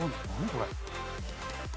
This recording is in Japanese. これ。